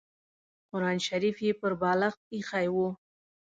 قران شریف یې پر بالښت اېښی و.